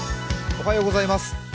おはようございます。